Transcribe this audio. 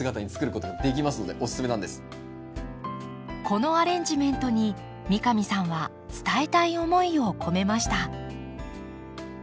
このアレンジメントに三上さんは伝えたい思いを込めました。